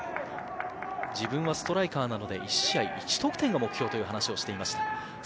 自分はストライカーなので、１試合、１得点が目標という話をしていました。